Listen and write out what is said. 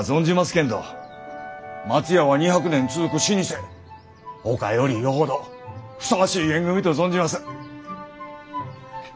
けんど松屋は２００年続く老舗ほかよりよほどふさわしい縁組みと存じます。